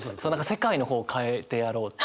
世界の方を変えてやろうって。